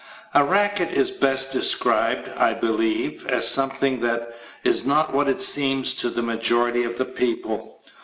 A racket is best described, I believe, as something that is not what it seems to the majority of the people.